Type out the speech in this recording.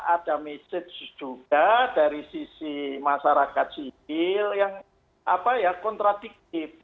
ada mesej juga dari sisi masyarakat sipil yang kontradiktif